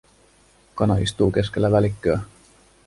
Kana istuu keskellä välikköä.